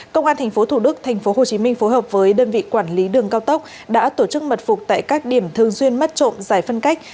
công an tp hcm phối hợp với đơn vị quản lý đường cao tốc đã tổ chức mật phục tại các điểm thường xuyên mất trộn giải phân cách